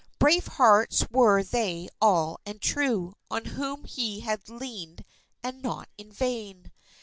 Brave hearts were they all and true, on whom he had leaned and not in vain.